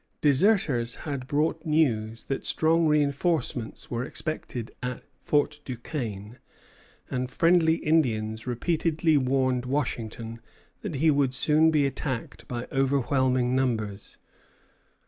Deserters had brought news that strong reinforcements were expected at Fort Duquesne, and friendly Indians repeatedly warned Washington that he would soon be attacked by overwhelming numbers.